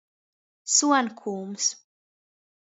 Suonkūms.